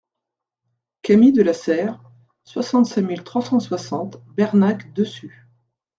Cami de la Serre, soixante-cinq mille trois cent soixante Bernac-Dessus